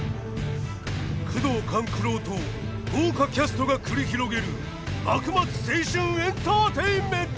宮藤官九郎と豪華キャストが繰り広げる幕末青春エンターテインメント！